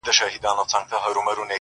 دوه شاهان په یوه ملک کي نه ځاییږي،